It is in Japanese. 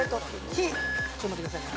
「ひ」ちょっと待ってくださいね。